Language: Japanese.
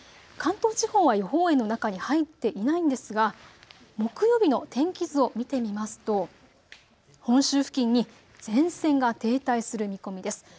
関東地方は予報円の中に入っていないんですが木曜日の天気図を見てみますと本州付近に前線が停滞する見込みです。